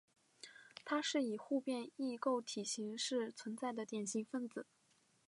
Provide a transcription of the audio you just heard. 它是以互变异构体形式存在的典型分子。